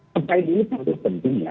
survei ini sangat penting ya